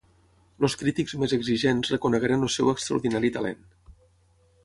Els crítics més exigents reconegueren el seu extraordinari talent.